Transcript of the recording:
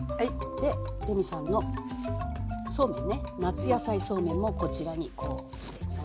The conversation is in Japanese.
でレミさんのそうめんね「夏野菜そうめん」もこちらに載ってあります。